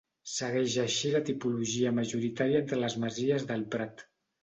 Segueix així la tipologia majoritària entre les masies del Prat.